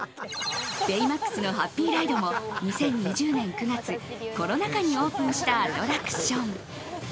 ベイマックスのハッピーライドも２０２０年９月コロナ禍にオープンしたアトラクション。